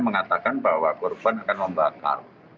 mengatakan bahwa korban akan membakar